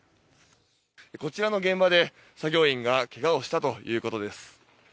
こちらの現場で作業員がけがをしたということです。